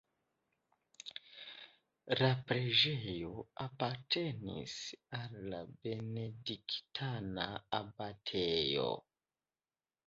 La preĝejo apartenis al la benediktana abatejo.